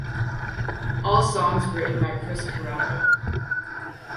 All songs written by Chris Carrabba.